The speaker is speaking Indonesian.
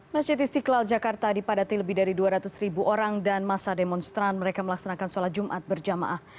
masjid istiqlal jakarta dipadati lebih dari dua ratus ribu orang dan masa demonstran mereka melaksanakan sholat jumat berjamaah